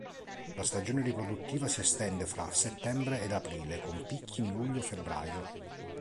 La stagione riproduttiva si estende fra settembre ed aprile, con picchi in luglio-febbraio.